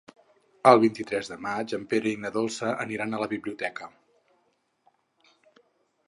El vint-i-tres de maig en Pere i na Dolça aniran a la biblioteca.